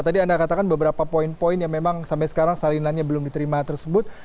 tadi anda katakan beberapa poin poin yang memang sampai sekarang salinannya belum diterima tersebut